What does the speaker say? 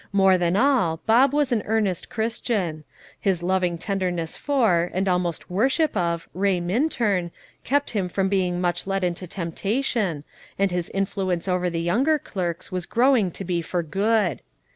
More than all, Bob was an earnest Christian; his loving tenderness for, and almost worship of, Ray Minturn, kept him from being much led into temptation, and his influence over the younger clerks was growing to be for good.